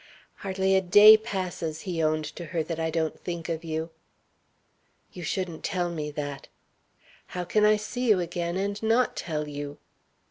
"Hardly a day passes," he owned to her, "that I don't think of you." "You shouldn't tell me that!" "How can I see you again and not tell you?"